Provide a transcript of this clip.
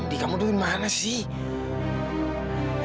indi kamu dulu dimana sih